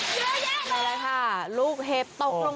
เยอะแยะแล้วอะไรค่ะลูกเห็บตกลงไป